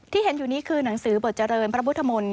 ที่เห็นอยู่นี้คือหนังสือบทเจริญพระพุทธมนตร์